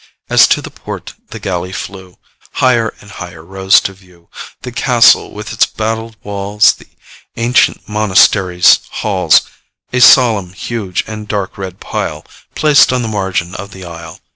As to the port the galley flew, Higher and higher rose to view The castle, with its battled walls, The ancient monastery's halls A solemn, huge, and dark red pile, Placed on the margin of the isle.